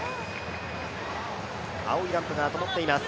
青いランプがともっています。